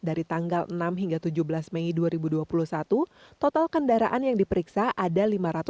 dari tanggal enam hingga tujuh belas mei dua ribu dua puluh satu total kendaraan yang diperiksa ada lima ratus enam puluh